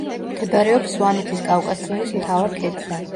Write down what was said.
მდებარეობს სვანეთის კავკასიონის მთავარ ქედზე.